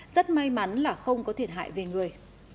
rất may mắn là không có thiệt hại về người